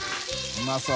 うまそう。